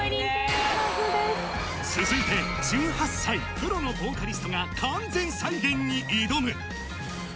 続いて１８歳、プロのヴォーカリストが完全再現に挑む。